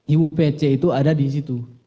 ibu pc itu ada di situ